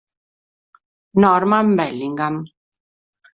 Norman Bellingham